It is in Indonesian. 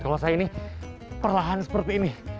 kalau saya ini perlahan seperti ini